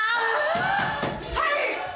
はい。